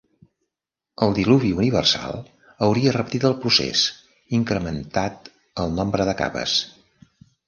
El diluvi universal hauria repetit el procés, incrementat el nombre de capes.